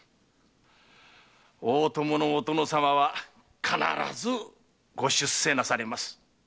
大友のお殿様は必ずご出世なされます。